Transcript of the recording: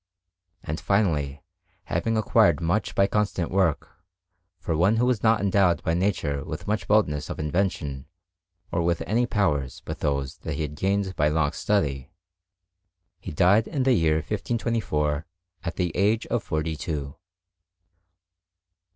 And, finally, having acquired much by constant work, for one who was not endowed by nature with much boldness of invention or with any powers but those that he had gained by long study, he died in the year 1524 at the age of forty two.